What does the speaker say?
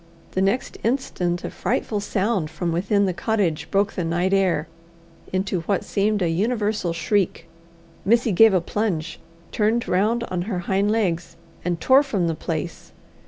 The next instant a frightful sound from within the cottage broke the night air into what seemed a universal shriek. Missy gave a plunge, turned round on her hind legs, and tore from the place.